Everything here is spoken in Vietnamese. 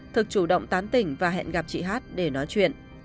thực chủ động tán tỉnh và hẹn gặp chị hát để nói chuyện